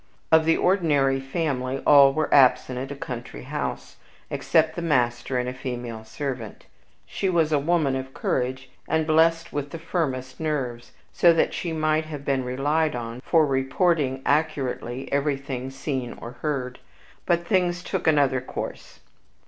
Of the ordinary family, all were absent at a country house, except the master and a female servant. She was a woman of courage, and blessed with the firmest nerves; so that she might have been relied on for reporting accurately everything seen or heard. But things took another course.